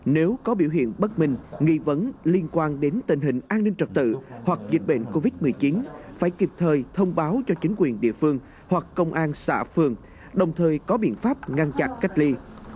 nếu có biểu hiện bất minh nghi vấn liên quan đến tình hình an ninh trật tự hoặc dịch bệnh covid một mươi chín phải kịp thời thông báo cho chính quyền địa phương hoặc công an xã phường đồng thời có biện pháp ngăn chặn cách ly